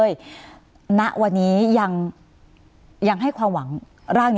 อยากใช้หลง